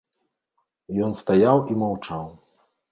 Ён стаяў і маўчаў.